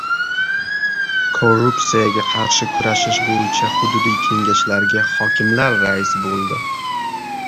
Korrupsiyaga qarshi kurashish bo‘yicha hududiy kengashlarga hokimlar rais bo‘ldi